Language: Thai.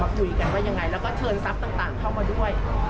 คุยกันว่ายังไงแล้วก็เชิญทรัพย์ต่างเข้ามาด้วย